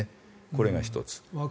これが１つ。